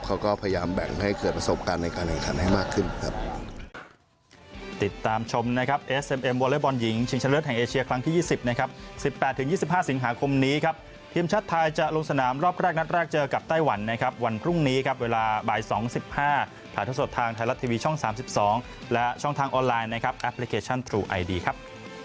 เขาก็พยายามแบ่งให้เกิดประสบการณ์ในการแข่งขันให้มากขึ้นครับ